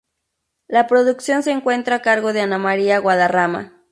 La producción se encuentra a cargo de Ana María Guadarrama.